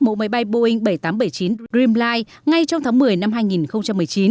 mẫu máy bay boeing bảy trăm tám mươi bảy chín dreamline ngay trong tháng một mươi năm hai nghìn một mươi chín